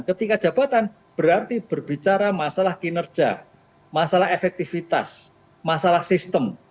ketika jabatan berarti berbicara masalah kinerja masalah efektivitas masalah sistem